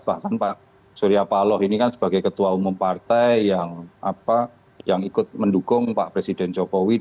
bahkan pak surya paloh ini kan sebagai ketua umum partai yang ikut mendukung pak presiden jokowi